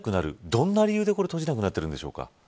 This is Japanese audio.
どんな理由で閉じなくなっているんでしょうか。